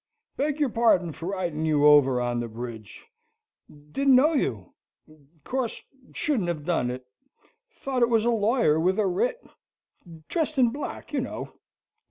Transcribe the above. Beg your pardon for riding you over on the bridge. Didn't know you course shouldn't have done it thought it was a lawyer with a writ dressed in black, you know.